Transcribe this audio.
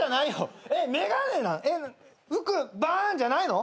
服バーンじゃないの？